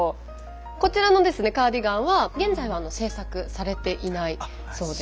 こちらのですねカーディガンは現在は製作されていないそうで。